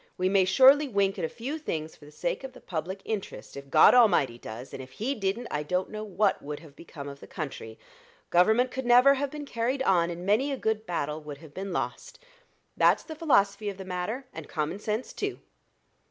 We may surely wink at a few things for the sake of the public interest, if God Almighty does; and if He didn't, I don't know what would have become of the country Government could never have been carried on, and many a good battle would have been lost. That's the philosophy of the matter, and common sense too."